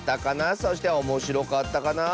そしておもしろかったかな？